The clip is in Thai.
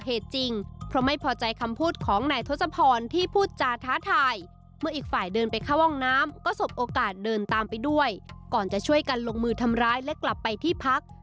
เหตุจริงเพราะไม่พอใจคำพูดของนายโฮจอพรที่พูดจาธรัทัย